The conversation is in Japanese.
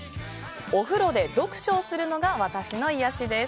お風呂で読書をするのが私の癒やしです。